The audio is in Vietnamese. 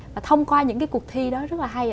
và thông qua những cái cuộc thi đó rất là hay